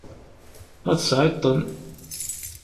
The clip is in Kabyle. Ma tesɛiḍ-ten.